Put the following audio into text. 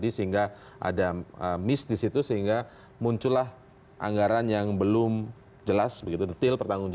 sehingga ada mistah yang muncullah anggaran yang belum jelas begitu